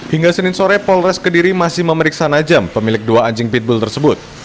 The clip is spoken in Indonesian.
hingga senin sore polres kediri masih memeriksa najam pemilik dua anjing pitbull tersebut